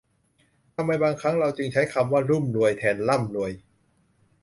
ทำไมบางครั้งเราจึงใช้คำว่ารุ่มรวย แทนร่ำรวย